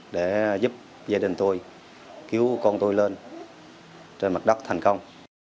để giúp gia đình tôi cứu con tôi lên trên mặt đất thành công